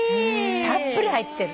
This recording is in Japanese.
たっぷり入ってる。